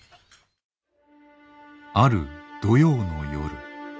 ある土曜の夜。